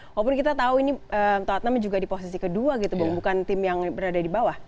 walaupun kita tahu ini tottenham juga di posisi kedua gitu bukan tim yang berada di bawah